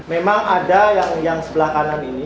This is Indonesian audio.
memang ada yang sebelah kanan ini